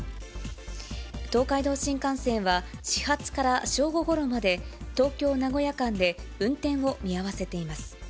東海道新幹線は始発から正午ごろまで、東京・名古屋間で運転を見合わせています。